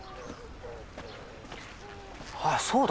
あっそうだ。